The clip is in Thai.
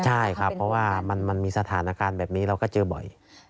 ใช่ครับเพราะว่ามันมีสถานการณ์แบบนี้เราก็เจอบ่อย